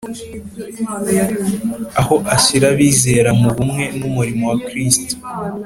aho ashyira abizera mu bumwe n'umurimo wa Kristo